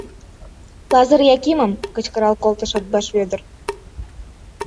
— Лазыр Якимым! — кычкырал колтыш Атбаш Вӧдыр.